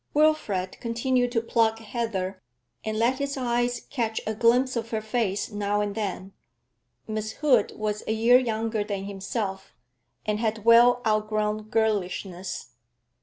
Wilfrid continued to pluck heather, and let his eyes catch a glimpse of her face now and then. Miss Hood was a year younger than himself, and had well outgrown girlishness.